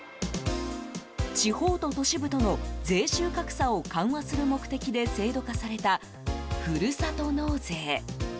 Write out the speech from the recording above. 地方と都市部との税収格差を緩和する目的で制度化されたふるさと納税。